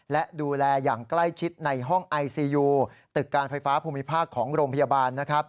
และดูแลอย่างใกล้ชิดในห้องไอซียูตึกการไฟฟ้าภูมิภาคของโรงพยาบาลนะครับ